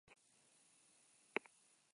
Diskoarekin batera kamiseta bat oparitzen zuten.